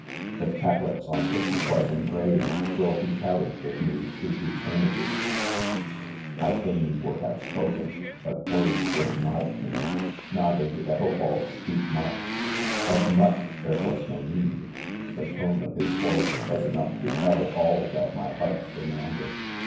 . The tablets on which it was engraved will "be carried with me to eternity, c I fain would have spoken* but words were denied me ; neither did Ethelwald speak much ; of much there was np need, the tone of his voice was enough to tell all that my heart de manded.